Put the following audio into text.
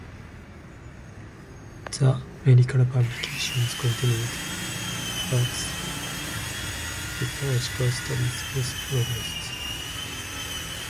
The medical publications continued, but the liturgical studies also progressed.